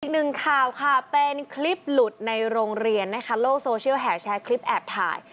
อีกหนึ่งข่าวค่ะเป็นคลิปหลุดในโรงเรียนนะคะโลกโซเชียลแห่แชร์คลิปแอบถ่าย